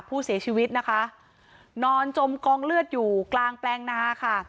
ผู้เสียชีวิตนะคะนอนจมกองเลือดอยู่กลางแปลงนาค่ะ